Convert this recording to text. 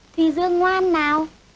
thì dương ngoan nào